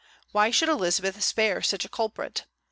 Why should Elizabeth spare such a culprit?